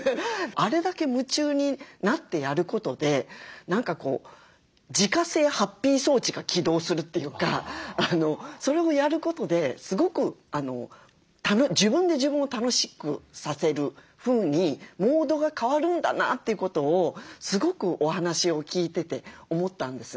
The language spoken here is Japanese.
あれだけ夢中になってやることで何か自家製ハッピー装置が起動するというかそれをやることですごく自分で自分を楽しくさせるふうにモードが変わるんだなということをすごくお話を聞いてて思ったんですね。